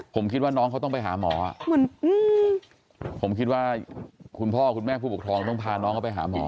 ผมคิดว่าน้องเขาต้องไปหาหมอผมคิดว่าคุณพ่อคุณแม่ผู้ปกครองต้องพาน้องเขาไปหาหมอ